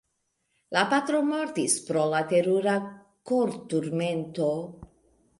La patro mortis pro la terura korturmento.